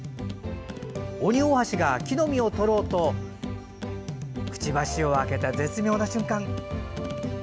オニオオハシが餌の木の実をとろうとくちばしを開けた絶妙な瞬間。